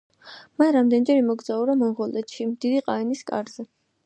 მან რამდენიმეჯერ იმოგზაურა მონღოლეთში დიდი ყაენის კარზე.